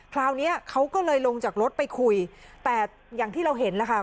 คราวนี้เขาก็เลยลงจากรถไปคุยแต่อย่างที่เราเห็นแล้วค่ะ